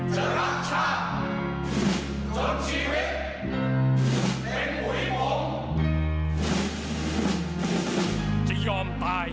จะรักชาติจนชีวิตเป็นผู้หญิงผม